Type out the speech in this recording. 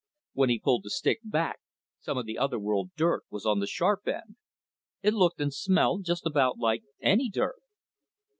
When he pulled the stick back, some of the other world dirt was on the sharp end. It looked and smelled just about like any dirt.